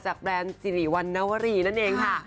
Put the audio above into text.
แบรนด์สิริวัณวรีนั่นเองค่ะ